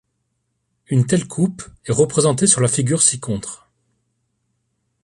Une telle coupe est représentée sur la figure ci-contre.